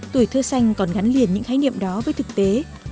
tuổi thơ xanh còn gắn liền những khái niệm đó với thực tế